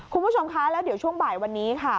คุณผู้ชมคะแล้วเดี๋ยวช่วงบ่ายวันนี้ค่ะ